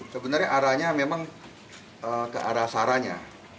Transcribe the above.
sebenarnya arahnya memang ke arah saranya